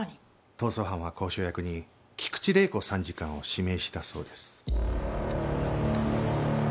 逃走犯は交渉役に菊池玲子参事官を指名したそうです。